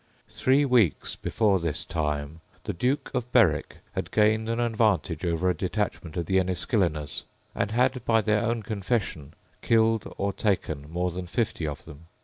Three weeks before this time the Duke of Berwick had gained an advantage over a detachment of the Enniskilleners, and had, by their own confession, killed or taken more than fifty of them.